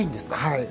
はい。